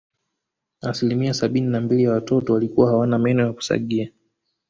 Asilimia sabini na mbili ya watoto walikuwa hawana meno ya kusagia